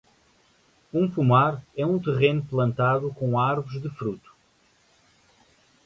Um pomar é um terreno plantado com árvores de fruto.